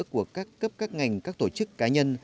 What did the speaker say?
của các cấp các ngành các tổ chức cá nhân